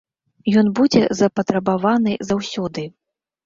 Ён будзе запатрабаваны заўсёды.